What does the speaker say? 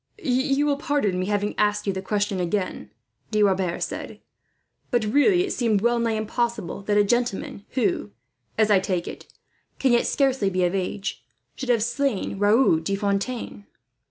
"You will pardon my having asked you the question again," De Rebers said; "but really, it seemed well nigh impossible that a gentleman who, as I take it, can yet be scarcely of age, should have slain Raoul de Fontaine."